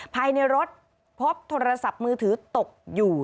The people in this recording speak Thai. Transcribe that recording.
ภายในรถพบโทรศัพท์มือถือตกอยู่